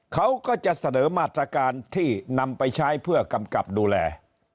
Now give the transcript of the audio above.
เขาก็จะเสนอมาตรการที่นำไปใช้เพื่อกำกับดูแล